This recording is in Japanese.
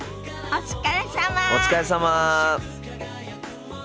お疲れさま。